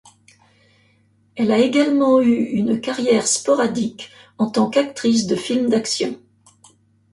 Elle a également eu une carrière sporadique en tant qu'actrice de films d'action.